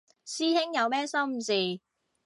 師兄有咩心事